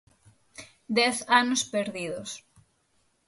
Dez anos perdidos.